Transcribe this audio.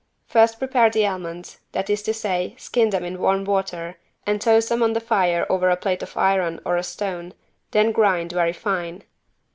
First prepare the almonds, that is to say skin them in warm water and toast them on the fire over a plate of iron or a stone, then grind very fine.